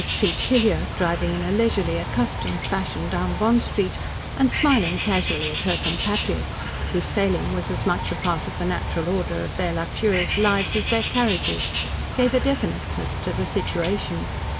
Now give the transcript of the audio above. Treat Hilyar driving in a leisurely, accustomed fashion down Bond Street, and smiling casually at her compatriots, whose "sailing" was as much part of the natural order of their luxurious lives as their carriages, gave a definiteness to the situation.